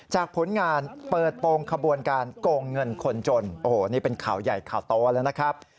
ผลงานเปิดโปรงขบวนการโกงเงินคนจนโอ้โหนี่เป็นข่าวใหญ่ข่าวโตแล้วนะครับ